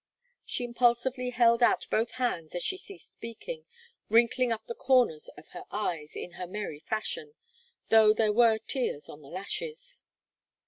She impulsively held out both hands as she ceased speaking, wrinkling up the comers of her eyes in her merry fashion, though there were tears on the lashes.